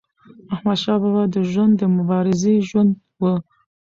احمدشاه بابا د ژوند د مبارزې ژوند و.